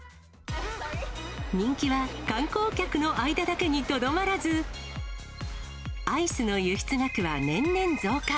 人気は、観光客の間だけにとどまらず、アイスの輸出額は年々増加。